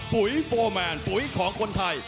ปุ๋ยโฟร์แมนปุ๋ยของคนไทย